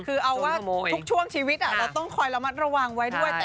คือเอาว่าทุกช่วงชีวิตเราต้องคอยระมัดระวังไว้ด้วย